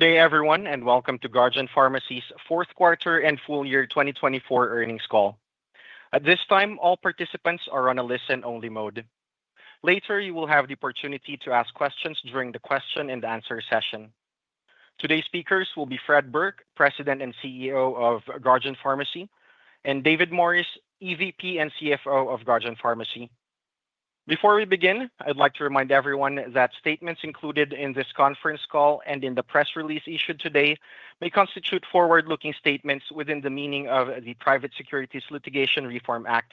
Good day, everyone, and welcome to Guardian Pharmacy Services' Fourth Quarter and Full Year 2024 Earnings Call. At this time, all participants are on a listen-only mode. Later, you will have the opportunity to ask questions during the question-and-answer session. Today's speakers will be Fred Burke, President and CEO of Guardian Pharmacy Services, and David Morris, EVP and CFO of Guardian Pharmacy Services. Before we begin, I'd like to remind everyone that statements included in this conference call and in the press release issued today may constitute forward-looking statements within the meaning of the Private Securities Litigation Reform Act.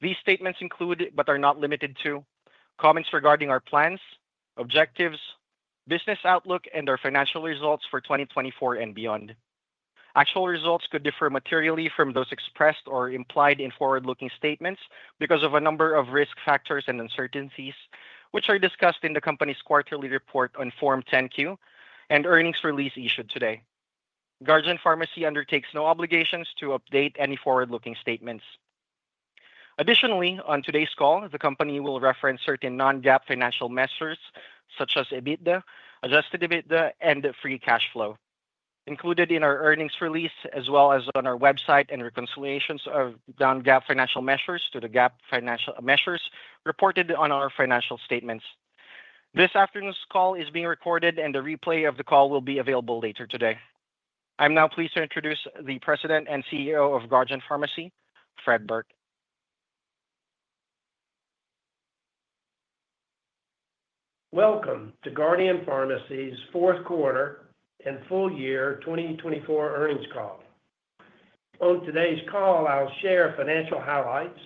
These statements include, but are not limited to, comments regarding our plans, objectives, business outlook, and our financial results for 2024 and beyond. Actual results could differ materially from those expressed or implied in forward-looking statements because of a number of risk factors and uncertainties, which are discussed in the company's quarterly report on Form 10Q and earnings release issued today. Guardian Pharmacy Services undertakes no obligations to update any forward-looking statements. Additionally, on today's call, the company will reference certain non-GAAP financial measures such as EBITDA, adjusted EBITDA, and free cash flow included in our earnings release, as well as on our website and reconciliations of non-GAAP financial measures to the GAAP financial measures reported on our financial statements. This afternoon's call is being recorded, and the replay of the call will be available later today. I'm now pleased to introduce the President and CEO of Guardian Pharmacy Services, Fred Burke. Welcome to Guardian Pharmacy's Fourth Quarter and Full Year 2024 Earnings Call. On today's call, I'll share financial highlights,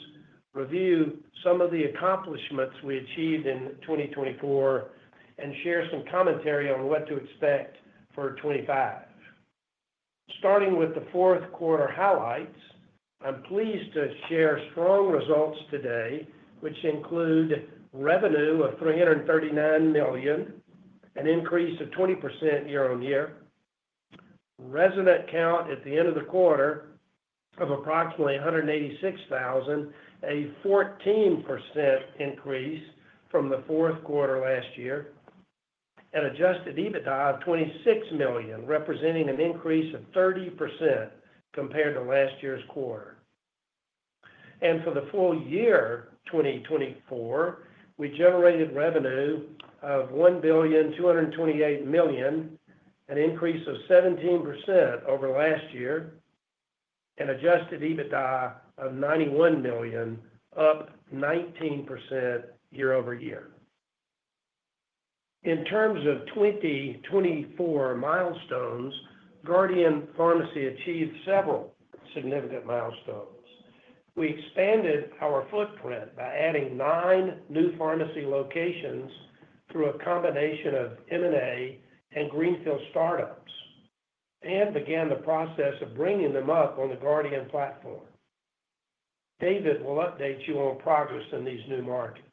review some of the accomplishments we achieved in 2024, and share some commentary on what to expect for 2025. Starting with the fourth quarter highlights, I'm pleased to share strong results today, which include revenue of $339 million, an increase of 20% year-on-year, resident count at the end of the quarter of approximately 186,000, a 14% increase from the fourth quarter last year, and adjusted EBITDA of $26 million, representing an increase of 30% compared to last year's quarter. For the full year 2024, we generated revenue of $1,228 million, an increase of 17% over last year, and adjusted EBITDA of $91 million, up 19% year-over-year. In terms of 2024 milestones, Guardian Pharmacy achieved several significant milestones. We expanded our footprint by adding nine new pharmacy locations through a combination of M&A and greenfield startups and began the process of bringing them up on the Guardian platform. David will update you on progress in these new markets.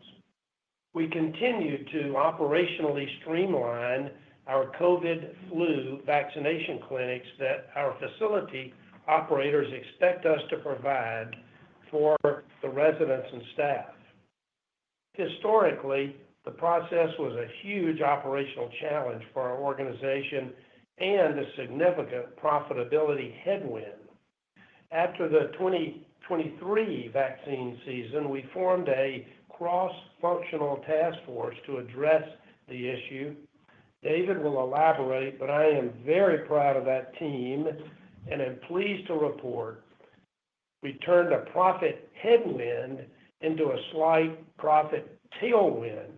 We continue to operationally streamline our COVID flu vaccination clinics that our facility operators expect us to provide for the residents and staff. Historically, the process was a huge operational challenge for our organization and a significant profitability headwind. After the 2023 vaccine season, we formed a cross-functional task force to address the issue. David will elaborate, but I am very proud of that team and am pleased to report we turned a profit headwind into a slight profit tailwind,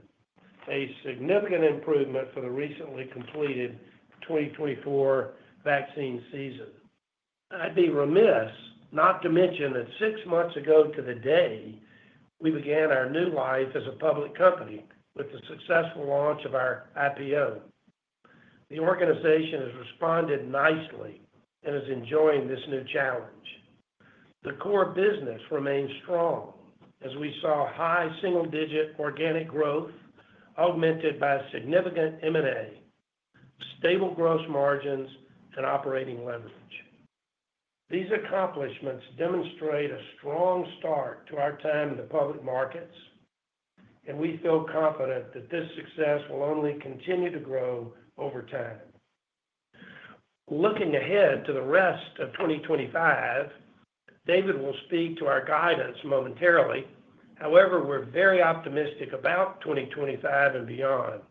a significant improvement for the recently completed 2024 vaccine season. I'd be remiss, not to mention that six months ago to the day, we began our new life as a public company with the successful launch of our IPO. The organization has responded nicely and is enjoying this new challenge. The core business remains strong as we saw high single-digit organic growth augmented by significant M&A, stable gross margins, and operating leverage. These accomplishments demonstrate a strong start to our time in the public markets, and we feel confident that this success will only continue to grow over time. Looking ahead to the rest of 2025, David will speak to our guidance momentarily. However, we're very optimistic about 2025 and beyond.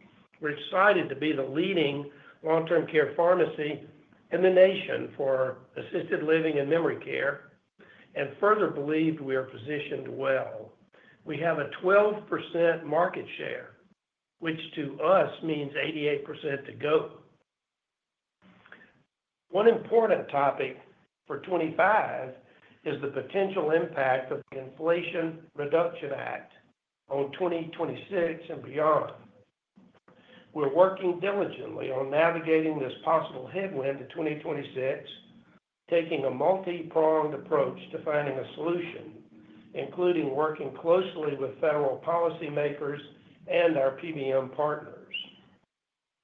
We're excited to be the leading long-term care pharmacy in the nation for assisted living and memory care and further believe we are positioned well. We have a 12% market share, which to us means 88% to go. One important topic for 2025 is the potential impact of the Inflation Reduction Act on 2026 and beyond. We're working diligently on navigating this possible headwind to 2026, taking a multi-pronged approach to finding a solution, including working closely with federal policymakers and our PBM partners.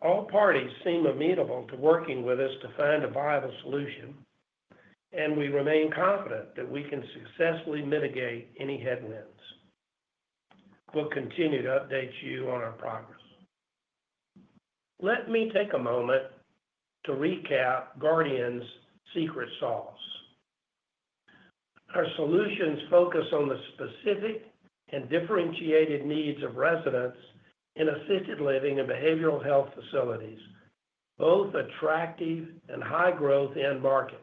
All parties seem amenable to working with us to find a viable solution, and we remain confident that we can successfully mitigate any headwinds. We'll continue to update you on our progress. Let me take a moment to recap Guardian's secret sauce. Our solutions focus on the specific and differentiated needs of residents in assisted living and behavioral health facilities, both attractive and high-growth end markets.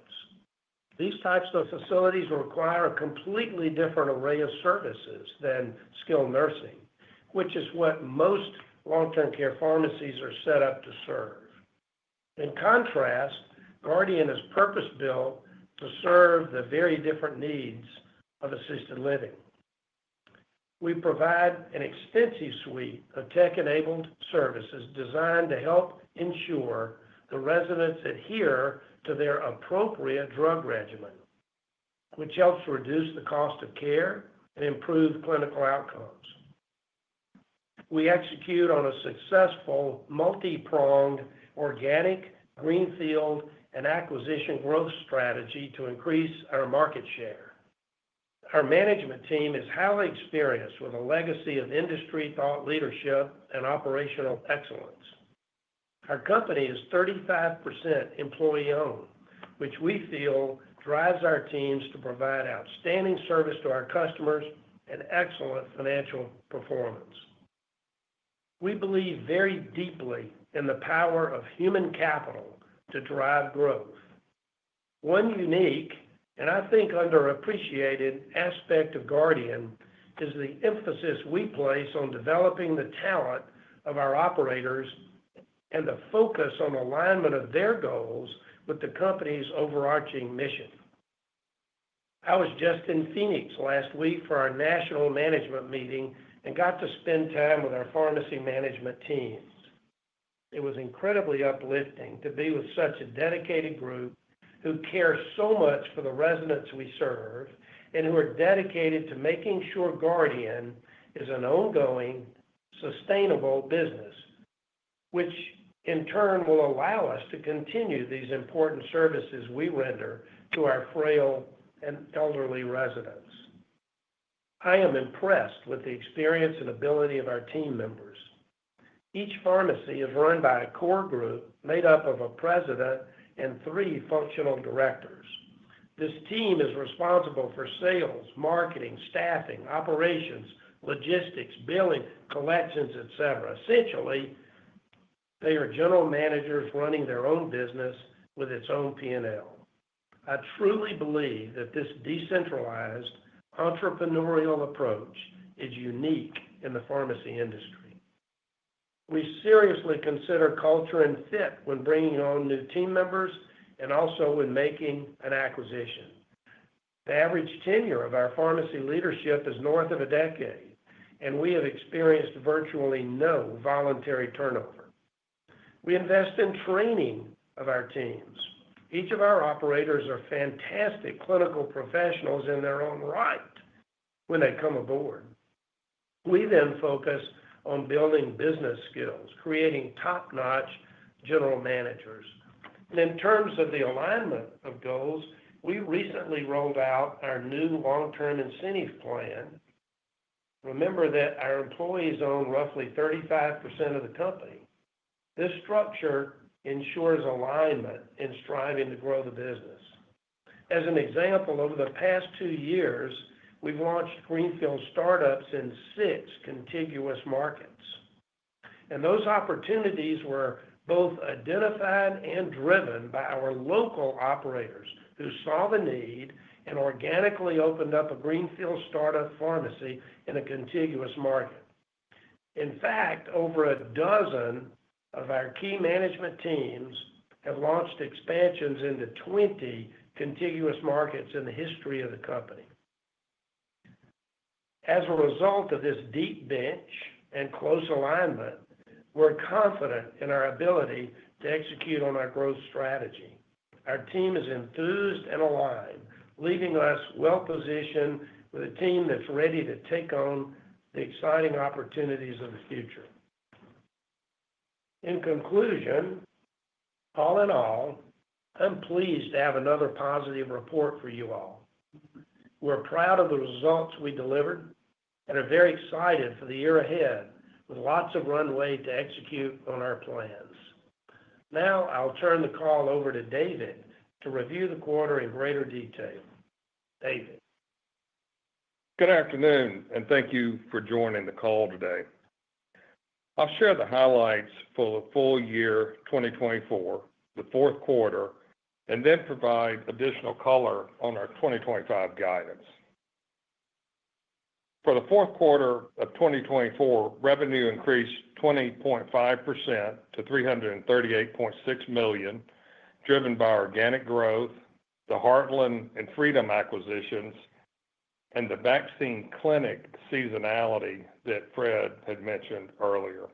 These types of facilities require a completely different array of services than skilled nursing, which is what most long-term care pharmacies are set up to serve. In contrast, Guardian is purpose-built to serve the very different needs of assisted living. We provide an extensive suite of tech-enabled services designed to help ensure the residents adhere to their appropriate drug regimen, which helps reduce the cost of care and improve clinical outcomes. We execute on a successful multi-pronged organic, greenfield, and acquisition growth strategy to increase our market share. Our management team is highly experienced with a legacy of industry thought leadership and operational excellence. Our company is 35% employee-owned, which we feel drives our teams to provide outstanding service to our customers and excellent financial performance. We believe very deeply in the power of human capital to drive growth. One unique, and I think underappreciated aspect of Guardian is the emphasis we place on developing the talent of our operators and the focus on alignment of their goals with the company's overarching mission. I was just in Phoenix last week for our national management meeting and got to spend time with our pharmacy management team. It was incredibly uplifting to be with such a dedicated group who care so much for the residents we serve and who are dedicated to making sure Guardian is an ongoing, sustainable business, which in turn will allow us to continue these important services we render to our frail and elderly residents. I am impressed with the experience and ability of our team members. Each pharmacy is run by a core group made up of a president and three functional directors. This team is responsible for sales, marketing, staffing, operations, logistics, billing, collections, etc. Essentially, they are general managers running their own business with its own P&L. I truly believe that this decentralized entrepreneurial approach is unique in the pharmacy industry. We seriously consider culture and fit when bringing on new team members and also when making an acquisition. The average tenure of our pharmacy leadership is north of a decade, and we have experienced virtually no voluntary turnover. We invest in training of our teams. Each of our operators are fantastic clinical professionals in their own right when they come aboard. We then focus on building business skills, creating top-notch general managers. In terms of the alignment of goals, we recently rolled out our new long-term incentive plan. Remember that our employees own roughly 35% of the company. This structure ensures alignment in striving to grow the business. As an example, over the past two years, we've launched greenfield startups in six contiguous markets. Those opportunities were both identified and driven by our local operators who saw the need and organically opened up a greenfield startup pharmacy in a contiguous market. In fact, over a dozen of our key management teams have launched expansions into 20 contiguous markets in the history of the company. As a result of this deep bench and close alignment, we're confident in our ability to execute on our growth strategy. Our team is enthused and aligned, leaving us well-positioned with a team that's ready to take on the exciting opportunities of the future. In conclusion, all in all, I'm pleased to have another positive report for you all. We're proud of the results we delivered and are very excited for the year ahead with lots of runway to execute on our plans. Now, I'll turn the call over to David to review the quarter in greater detail. David. Good afternoon, and thank you for joining the call today. I'll share the highlights for the full year 2024, the fourth quarter, and then provide additional color on our 2025 guidance. For the fourth quarter of 2024, revenue increased 20.5% to $338.6 million, driven by organic growth, the Heartland and Freedom acquisitions, and the vaccine clinic seasonality that Fred had mentioned earlier.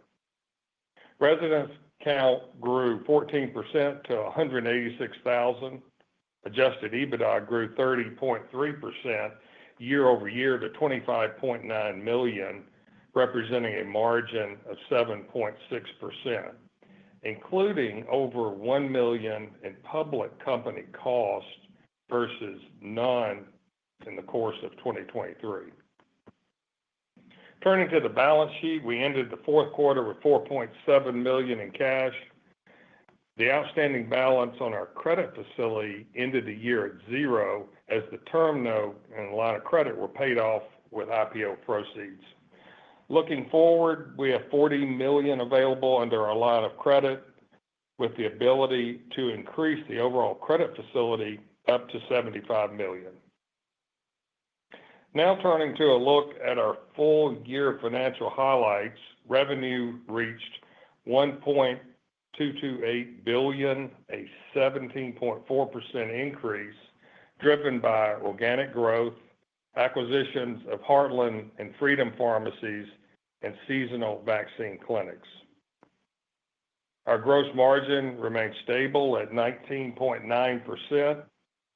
Residents count grew 14% to 186,000. Adjusted EBITDA grew 30.3% year-over-year to $25.9 million, representing a margin of 7.6%, including over $1 million in public company cost versus none in the course of 2023. Turning to the balance sheet, we ended the fourth quarter with $4.7 million in cash. The outstanding balance on our credit facility ended the year at zero as the term note and a line of credit were paid off with IPO proceeds. Looking forward, we have $40 million available under our line of credit with the ability to increase the overall credit facility up to $75 million. Now, turning to a look at our full year financial highlights, revenue reached $1.228 billion, a 17.4% increase driven by organic growth, acquisitions of Heartland and Freedom pharmacies, and seasonal vaccine clinics. Our gross margin remained stable at 19.9%.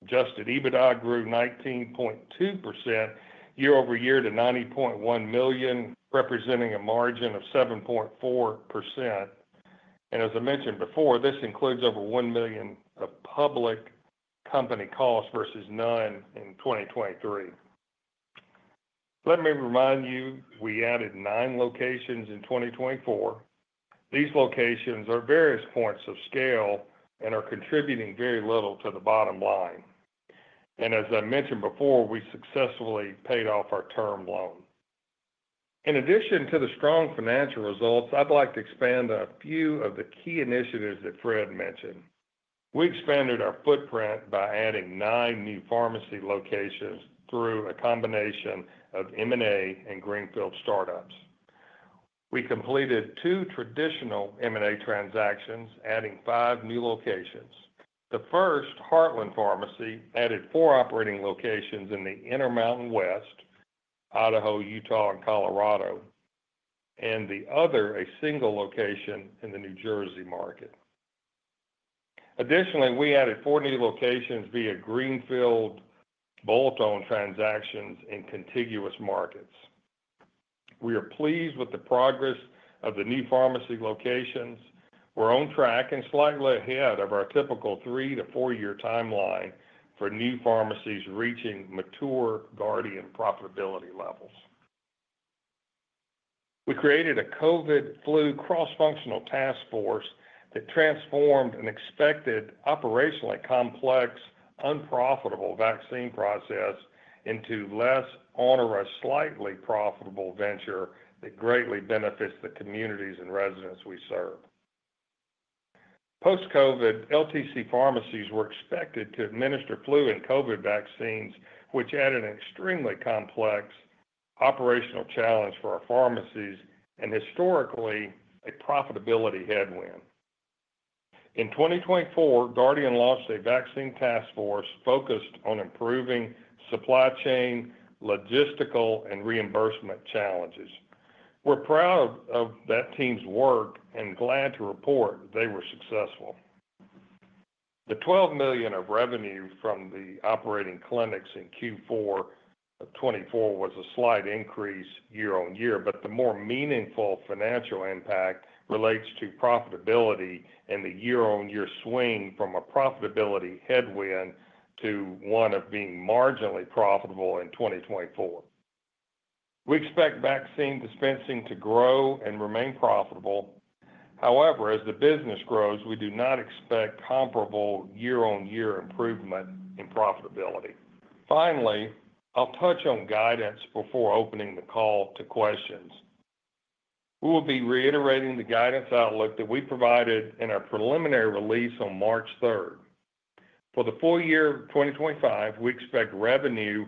Adjusted EBITDA grew 19.2% year-over-year to $90.1 million, representing a margin of 7.4%. As I mentioned before, this includes over $1 million of public company cost versus none in 2023. Let me remind you, we added nine locations in 2024. These locations are various points of scale and are contributing very little to the bottom line. As I mentioned before, we successfully paid off our term loan. In addition to the strong financial results, I'd like to expand on a few of the key initiatives that Fred mentioned. We expanded our footprint by adding nine new pharmacy locations through a combination of M&A and greenfield startups. We completed two traditional M&A transactions, adding five new locations. The first, Heartland Pharmacy, added four operating locations in the Intermountain West, Idaho, Utah, and Colorado, and the other, a single location in the New Jersey market. Additionally, we added four new locations via greenfield bolt-on transactions in contiguous markets. We are pleased with the progress of the new pharmacy locations. We're on track and slightly ahead of our typical three to four-year timeline for new pharmacies reaching mature Guardian profitability levels. We created a COVID-flu cross-functional task force that transformed an expected operationally complex, unprofitable vaccine process into less on or a slightly profitable venture that greatly benefits the communities and residents we serve. Post-COVID, LTC Pharmacies were expected to administer flu and COVID vaccines, which added an extremely complex operational challenge for our pharmacies and historically a profitability headwind. In 2024, Guardian launched a vaccine task force focused on improving supply chain, logistical, and reimbursement challenges. We're proud of that team's work and glad to report they were successful. The $12 million of revenue from the operating clinics in Q4 of 2024 was a slight increase year-on-year, but the more meaningful financial impact relates to profitability and the year-on-year swing from a profitability headwind to one of being marginally profitable in 2024. We expect vaccine dispensing to grow and remain profitable. However, as the business grows, we do not expect comparable year-on-year improvement in profitability. Finally, I'll touch on guidance before opening the call to questions. We will be reiterating the guidance outlook that we provided in our preliminary release on March 3rd. For the full year 2025, we expect revenue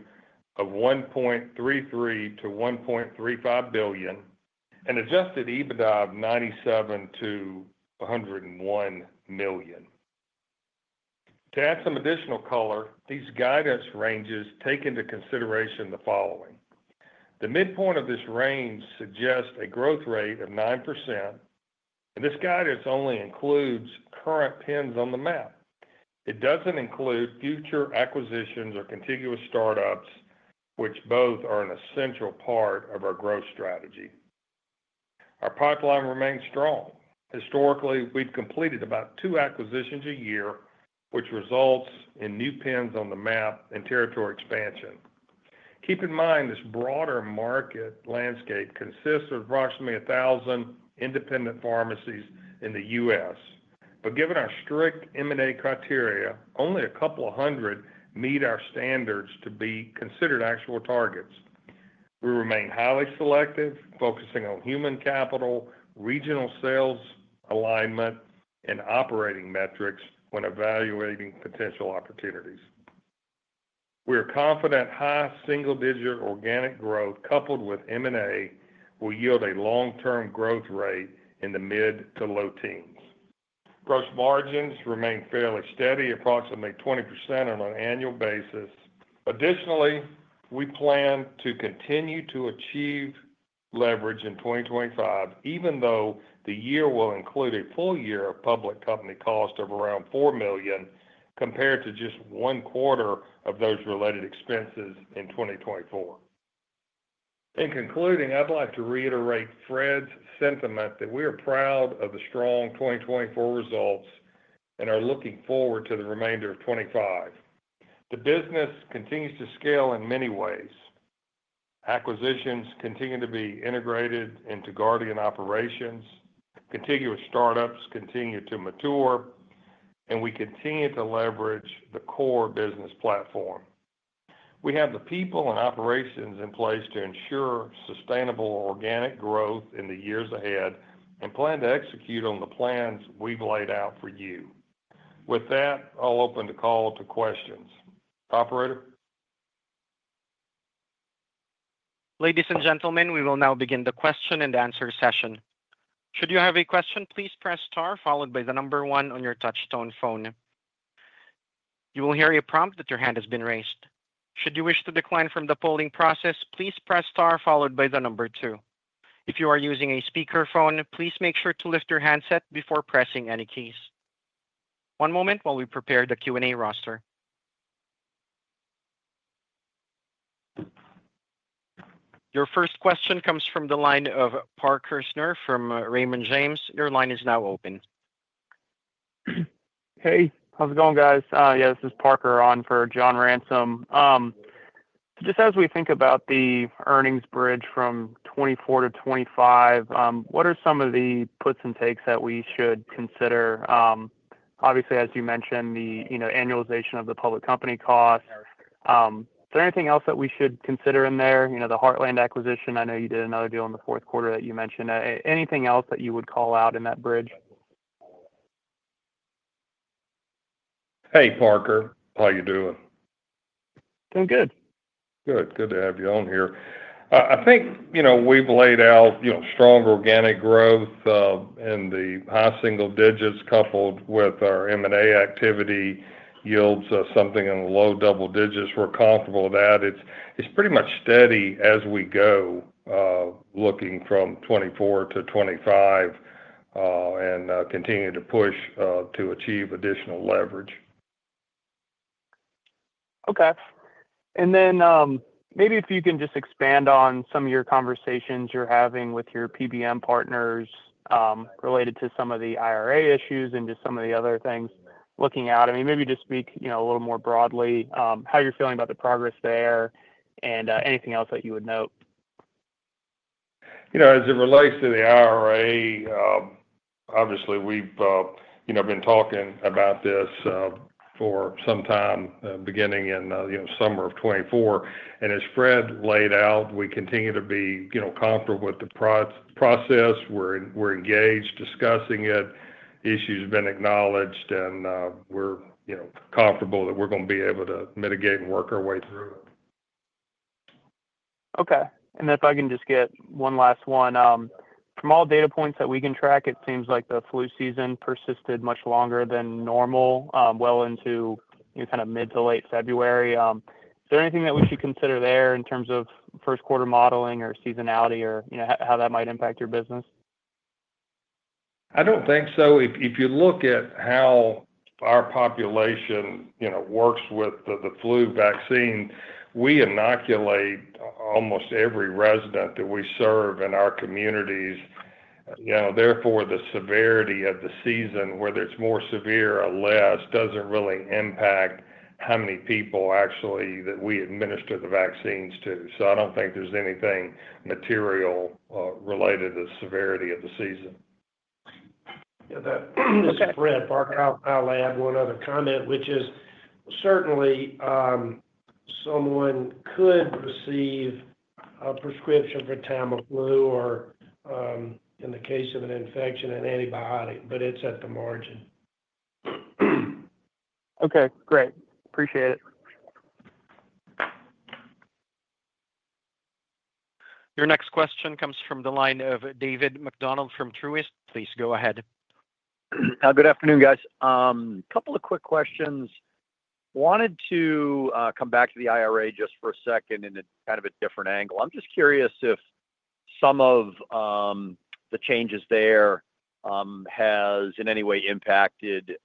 of $1.33 billion-$1.35 billion and adjusted EBITDA of $97 million-$101 million. To add some additional color, these guidance ranges take into consideration the following. The midpoint of this range suggests a growth rate of 9%, and this guidance only includes current pins on the map. It does not include future acquisitions or contiguous startups, which both are an essential part of our growth strategy. Our pipeline remains strong. Historically, we have completed about two acquisitions a year, which results in new pins on the map and territory expansion. Keep in mind this broader market landscape consists of approximately 1,000 independent pharmacies in the U.S. Given our strict M&A criteria, only a couple of hundred meet our standards to be considered actual targets. We remain highly selective, focusing on human capital, regional sales alignment, and operating metrics when evaluating potential opportunities. We are confident high single-digit organic growth coupled with M&A will yield a long-term growth rate in the mid to low teens. Gross margins remain fairly steady, approximately 20% on an annual basis. Additionally, we plan to continue to achieve leverage in 2025, even though the year will include a full year of public company cost of around $4 million compared to just one quarter of those related expenses in 2024. In concluding, I'd like to reiterate Fred's sentiment that we are proud of the strong 2024 results and are looking forward to the remainder of 2025. The business continues to scale in many ways. Acquisitions continue to be integrated into Guardian operations. Contiguous startups continue to mature, and we continue to leverage the core business platform. We have the people and operations in place to ensure sustainable organic growth in the years ahead and plan to execute on the plans we've laid out for you. With that, I'll open the call to questions. Operator. Ladies and gentlemen, we will now begin the question and answer session. Should you have a question, please press star followed by the number one on your touch-tone phone. You will hear a prompt that your hand has been raised. Should you wish to decline from the polling process, please press star followed by the number two. If you are using a speakerphone, please make sure to lift your handset before pressing any keys. One moment while we prepare the Q&A roster. Your first question comes from the line of Parker Snure from Raymond James. Your line is now open. Hey, how's it going, guys? Yeah, this is Parker on for John Ransom. Just as we think about the earnings bridge from 2024 to 2025, what are some of the puts and takes that we should consider? Obviously, as you mentioned, the annualization of the public company cost. Is there anything else that we should consider in there? The Heartland acquisition, I know you did another deal in the fourth quarter that you mentioned. Anything else that you would call out in that bridge? Hey, Parker. How are you doing? Doing good. Good. Good to have you on here. I think we've laid out strong organic growth and the high single digits coupled with our M&A activity yields something in the low double digits. We're comfortable with that. It's pretty much steady as we go looking from 2024 to 2025 and continue to push to achieve additional leverage. Okay. Maybe if you can just expand on some of your conversations you're having with your PBM partners related to some of the IRA issues and just some of the other things looking out. I mean, maybe just speak a little more broadly how you're feeling about the progress there and anything else that you would note. As it relates to the IRA, obviously, we've been talking about this for some time beginning in the summer of 2024. As Fred laid out, we continue to be comfortable with the process. We're engaged discussing it. Issues have been acknowledged, and we're comfortable that we're going to be able to mitigate and work our way through it. Okay. If I can just get one last one. From all data points that we can track, it seems like the flu season persisted much longer than normal well into kind of mid to late February. Is there anything that we should consider there in terms of first quarter modeling or seasonality or how that might impact your business? I don't think so. If you look at how our population works with the flu vaccine, we inoculate almost every resident that we serve in our communities. Therefore, the severity of the season, whether it's more severe or less, doesn't really impact how many people actually that we administer the vaccines to. I don't think there's anything material related to the severity of the season. Yeah. This is Fred Burke. I'll add one other comment, which is certainly someone could receive a prescription for Tamiflu or, in the case of an infection, an antibiotic, but it's at the margin. Okay. Great. Appreciate it. Your next question comes from the line of David McDonald from Truist. Please go ahead. Good afternoon, guys. A couple of quick questions. Wanted to come back to the IRA just for a second in kind of a different angle. I'm just curious if some of the changes there has in any way impacted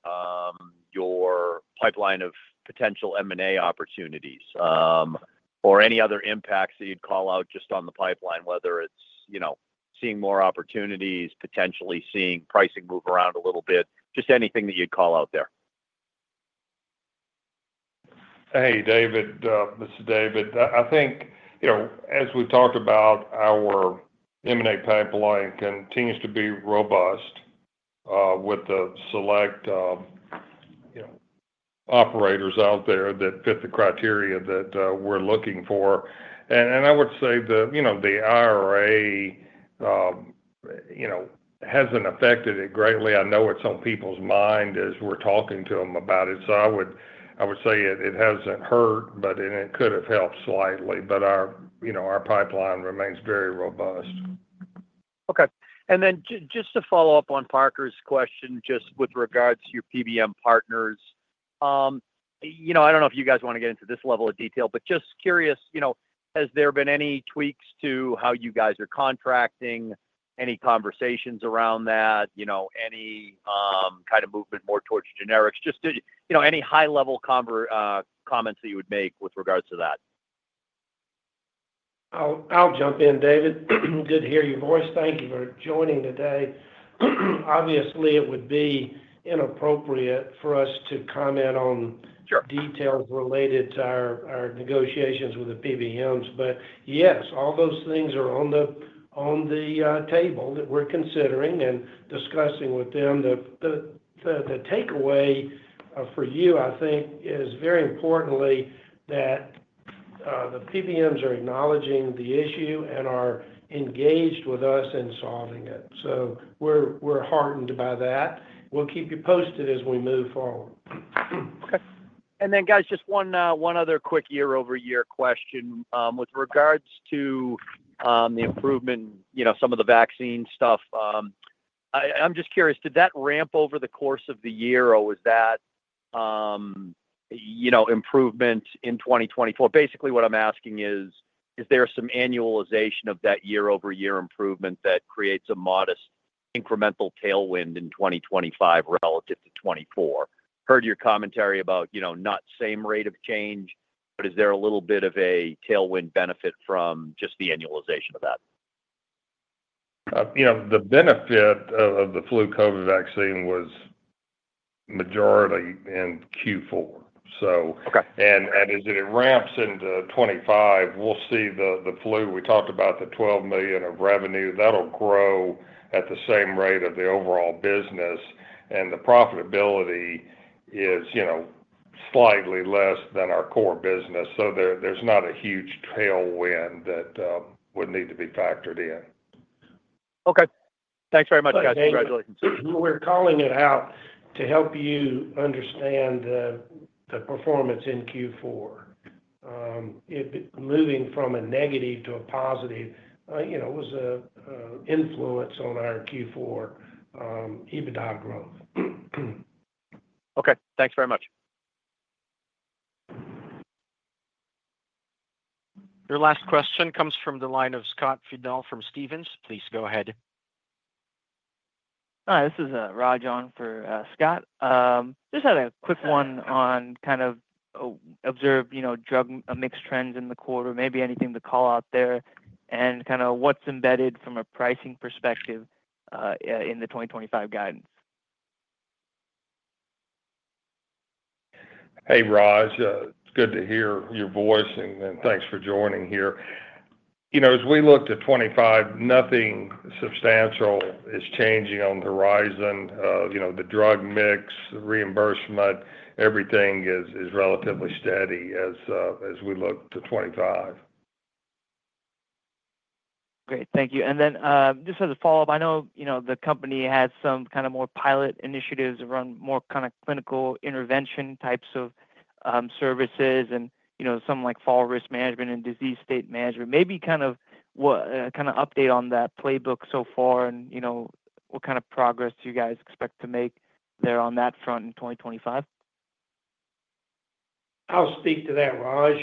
your pipeline of potential M&A opportunities or any other impacts that you'd call out just on the pipeline, whether it's seeing more opportunities, potentially seeing pricing move around a little bit, just anything that you'd call out there. Hey, David. This is David. I think as we talked about, our M&A pipeline continues to be robust with the select operators out there that fit the criteria that we're looking for. I would say the IRA has not affected it greatly. I know it is on people's mind as we are talking to them about it. I would say it has not hurt, but it could have helped slightly. Our pipeline remains very robust. Okay. Just to follow up on Parker's question, just with regards to your PBM partners, I don't know if you guys want to get into this level of detail, but just curious, has there been any tweaks to how you guys are contracting, any conversations around that, any kind of movement more towards generics? Just any high-level comments that you would make with regards to that. I'll jump in, David. Good to hear your voice. Thank you for joining today. Obviously, it would be inappropriate for us to comment on details related to our negotiations with the PBMs. Yes, all those things are on the table that we're considering and discussing with them. The takeaway for you, I think, is very importantly that the PBMs are acknowledging the issue and are engaged with us in solving it. We are heartened by that. We'll keep you posted as we move forward. Okay. Guys, just one other quick year-over-year question with regards to the improvement, some of the vaccine stuff. I'm just curious, did that ramp over the course of the year, or was that improvement in 2024? Basically, what I'm asking is, is there some annualization of that year-over-year improvement that creates a modest incremental tailwind in 2025 relative to 2024? Heard your commentary about not same rate of change, but is there a little bit of a tailwind benefit from just the annualization of that? The benefit of the flu COVID vaccine was majority in Q4. As it ramps into 2025, we'll see the flu we talked about, the $12 million of revenue, that'll grow at the same rate of the overall business. The profitability is slightly less than our core business. There's not a huge tailwind that would need to be factored in. Okay. Thanks very much, guys. Congratulations. We're calling it out to help you understand the performance in Q4. Moving from a negative to a positive was an influence on our Q4 EBITDA growth. Okay. Thanks very much. Your last question comes from the line of Scott Fidel from Stephens. Please go ahead. Hi. This is Raj on for Scott. Just had a quick one on kind of observe drug mix trends in the quarter, maybe anything to call out there and kind of what's embedded from a pricing perspective in the 2025 guidance. Hey, Raj. It's good to hear your voice, and thanks for joining here. As we look to 2025, nothing substantial is changing on the horizon. The drug mix, reimbursement, everything is relatively steady as we look to 2025. Great. Thank you. Just as a follow-up, I know the company has some kind of more pilot initiatives around more kind of clinical intervention types of services and something like fall risk management and disease state management. Maybe kind of an update on that playbook so far and what kind of progress do you guys expect to make there on that front in 2025? I'll speak to that, Raj.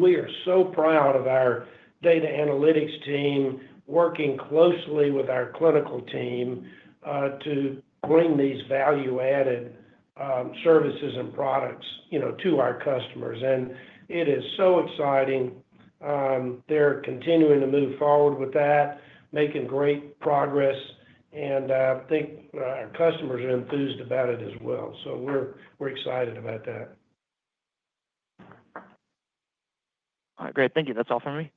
We are so proud of our data analytics team working closely with our clinical team to bring these value-added services and products to our customers. It is so exciting. They're continuing to move forward with that, making great progress, and I think our customers are enthused about it as well. We are excited about that. All right. Great. Thank you. That's all from me.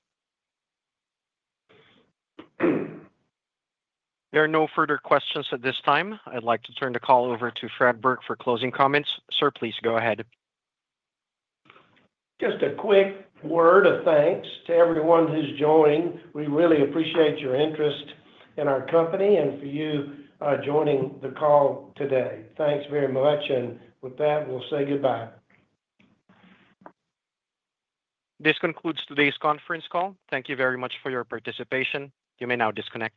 There are no further questions at this time. I'd like to turn the call over to Fred Burke for closing comments. Sir, please go ahead. Just a quick word of thanks to everyone who's joined. We really appreciate your interest in our company and for you joining the call today. Thanks very much. With that, we'll say goodbye. This concludes today's conference call. Thank you very much for your participation. You may now disconnect.